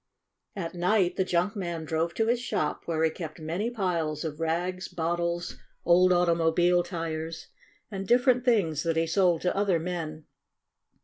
At night the junk man drove to his shop, where he kept many piles of rags, bottles, old automobile tires and different things that he sold to other men.